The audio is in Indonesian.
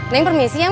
neng permisi ya mang